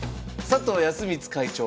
佐藤康光会長。